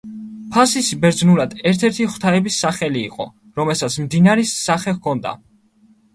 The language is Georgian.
ფასისი ბერძნულად ერთ-ერთი ღვთაების სახელი იყო, რომელსაც მდინარის სახე ჰქონდა.